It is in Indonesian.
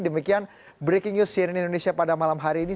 demikian breaking news cnn indonesia pada malam hari ini